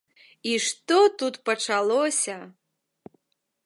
І што тут пачалося!